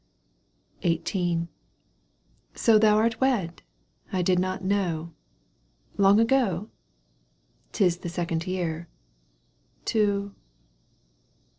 XVIII. " So thou art wed ! I did not know. Long ago ?"—" 'Tis the second year." " To